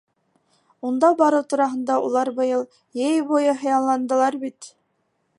Унда барыу тураһында улар быйыл йәй буйы хыялландылар бит.